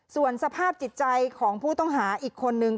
ส่วนสภาพจิตใจของผู้ต้องหาอีกคนนึง